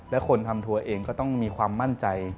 และคนทำทัวร์เองก็ต้องมีความมั่นใจ